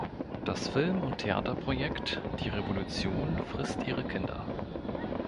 Das Film- und Theaterprojekt "Die Revolution frisst ihre Kinder!